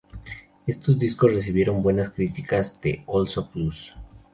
Estos discos recibieron buenas críticas del Oslo Plus.